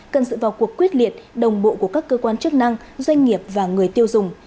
cần sự vào cuộc quyết liệt đồng bộ của các cơ quan chức năng doanh nghiệp và người tiêu dùng